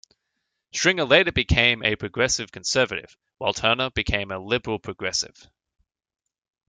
Stringer later became a Progressive Conservative, while Turner became a Liberal-Progressive.